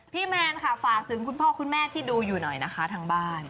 แมนค่ะฝากถึงคุณพ่อคุณแม่ที่ดูอยู่หน่อยนะคะทางบ้าน